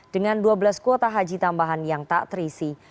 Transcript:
dengan dua belas kuota haji tambahan yang tak terisi